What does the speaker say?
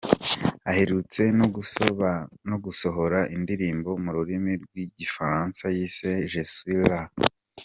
Aherutse no gusohora indirimbo mu rurimi rw’igifaransa yise “Je Suis Là”.